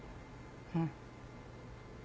うん。